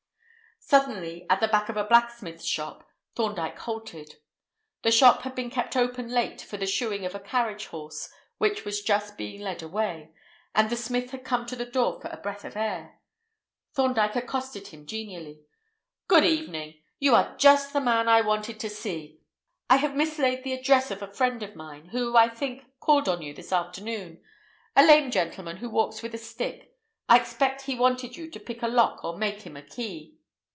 Suddenly, at the door of a blacksmith's shop, Thorndyke halted. The shop had been kept open late for the shoeing of a carriage horse, which was just being led away, and the smith had come to the door for a breath of air. Thorndyke accosted him genially. "Good evening. You are just the man I wanted to see. I have mislaid the address of a friend of mine, who, I think, called on you this afternoon—a lame gentleman who walks with a stick. I expect he wanted you to pick a lock or make him a key."